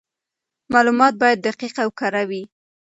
معلومات باید دقیق او کره وي.